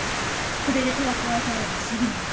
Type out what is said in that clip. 筆で手が加えてあればすぐにわかる。